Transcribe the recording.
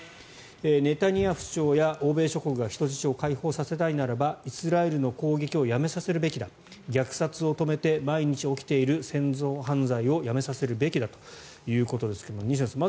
ネタニヤフ首相や欧米諸国が人質を解放させたいならばイスラエルの攻撃をやめさせるべきだ虐殺を止めて毎日起きている戦争犯罪をやめさせるべきだということですが西野さん